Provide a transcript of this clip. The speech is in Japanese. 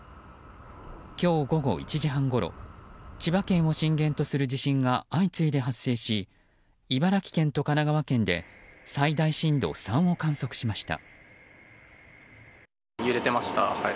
今日午後１時半ごろ千葉県を震源とする地震が相次いで発生し茨城県と神奈川県で最大震度３を観測しました。